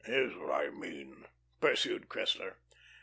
"Here is what I mean," pursued Cressler.